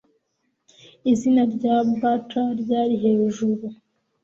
Izina rya Butler Ryari Hejuru